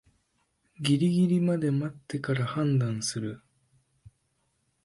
ギリギリまで待ってから判断する